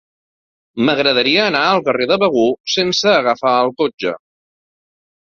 M'agradaria anar al carrer de Begur sense agafar el cotxe.